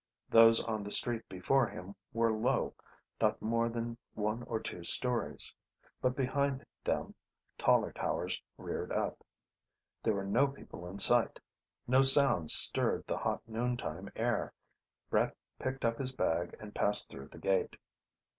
Those on the street before him were low, not more than one or two stories, but behind them taller towers reared up. There were no people in sight; no sounds stirred the hot noon time air. Brett picked up his bag and passed through the gate.